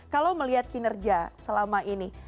kalau melihat kinerja selama ini